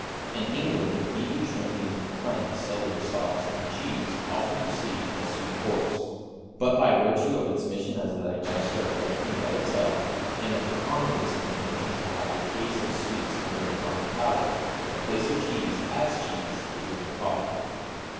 In England neatly trimmed and cleansed celery stalks and cheese often precede the sweet course; but by virtue of its mission as a digester of everything but itself and of the common disinclination to have the taste of sweets linger upon the palate, the place of cheese as cheese is with the coffee.